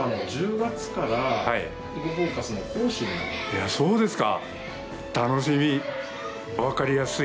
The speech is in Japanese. いやそうですか。